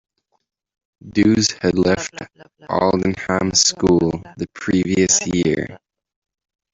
Dewes had left Aldenham School the previous year.